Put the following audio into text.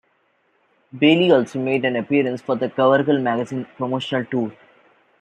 Bailey also made an appearance for the Covergirl Magazine promotional tour.